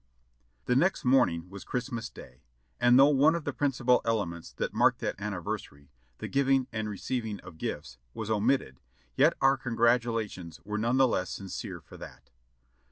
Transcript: The next morning was Christmas day, and though one of the principal elements that mark that anniversary, "the giving and receiving of gifts," was omitted, yet our congratulations were none the less sincere for that.